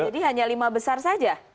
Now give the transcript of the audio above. jadi hanya lima besar saja